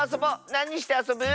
なにしてあそぶ？